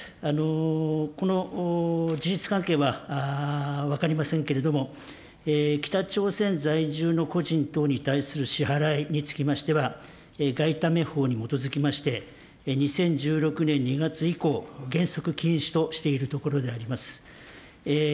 この事実関係は分かりませんけれども、北朝鮮在住の個人等に対する支払いにつきましては、外為法に基づきまして、２０１６年２月以降、原則禁止としているところであります。